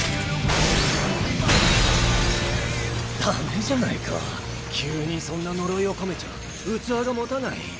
ダメじゃないか急にそんな呪いを込めちゃ器がもたない。